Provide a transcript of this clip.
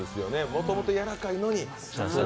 もともとやわらかいのに。